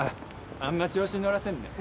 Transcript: あんま調子に乗らせんなよ。